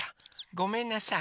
ごめんなさい。